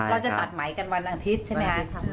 เราจะตัดไหมกันวันอาทิตย์ใช่ไหมคะ